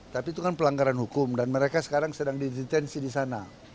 tapi itu kan pelanggaran hukum dan mereka sekarang sedang didetensi di sana